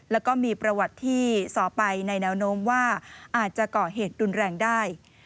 แล้วก็มีประวัติที่สอไปในแนวโน้มว่าอาจจะก่อเหตุรุนแรงได้